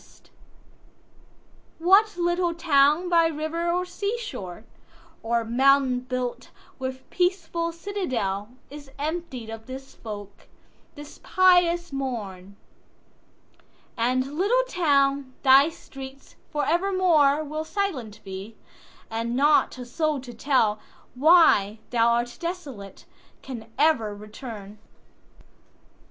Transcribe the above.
What little town by river or sea shore, Or mountain built with peaceful citadel, Is emptied of this folk, this pious morn? And, little town, thy streets for evermoreWill silent be; and not a soul to tellWhy thou art desolate, can e'er return.